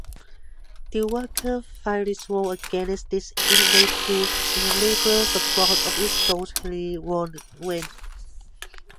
The workers finally voted against this initiative, and the labor support of Dougherty waned.